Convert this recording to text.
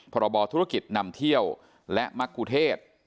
พรบธุรกิจนำเที่ยวและมะกุเทศ